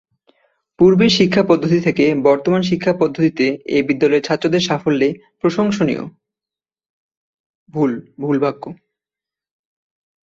পূর্বের শিক্ষা পদ্ধতি থেকে বর্তমান শিক্ষা পদ্ধতিতে এ বিদ্যালয়ের ছাত্রদের সাফল্যে প্রশংসনিয়।